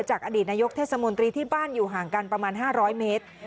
จากอดีตนายกเทศมนตรีที่บ้านอยู่ห่างกันประมาณ๕๐๐เมตร